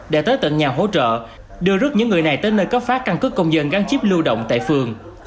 để tới tận nhà hỗ trợ đưa rút những người này tới nơi cấp phá căn cứ công dân gắn chiếp lưu động tại phường